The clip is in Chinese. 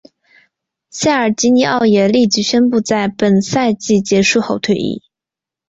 塞尔吉尼奥也立即宣布在本赛季结束后退役。